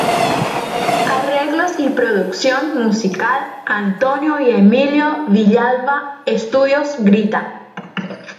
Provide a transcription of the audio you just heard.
Arreglos y producción musical: Antonio y Emilio Villalba, Estudios Grita!